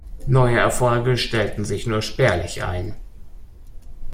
Neue Erfolge stellten sich nur spärlich ein.